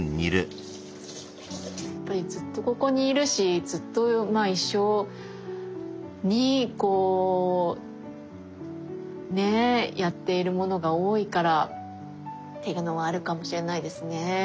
やっぱりずっとここにいるしずっとまあ一緒にこうねえやっているものが多いからっていうのもあるかもしれないですね。